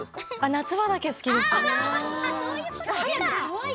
夏場だけ好きですね。